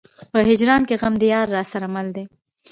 په هجران کې غم د يار راسره مل دی.